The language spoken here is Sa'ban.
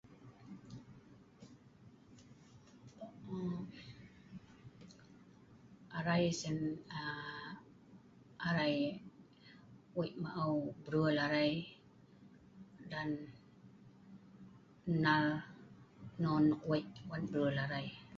Arai Aa..arai Wei ma'ew brul arai Dan nnal non nok wei wan brul arai